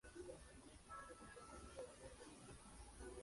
En sus aguas se practica la pesca del pejerrey.